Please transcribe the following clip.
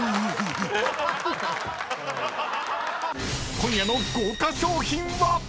［今夜の豪華賞品は⁉］